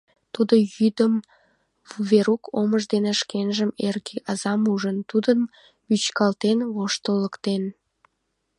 Тудо йӱдым Верук омыж дене шкенжын эрге азам ужын, тудым вӱчкалтен, воштылыктен...